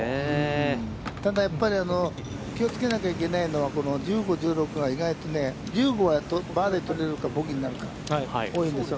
ただ、やっぱり気をつけなきゃいけないのは、この１５、１６が、意外とね、１５はバーディーを取れるか、ボギーになるか多いんですよ。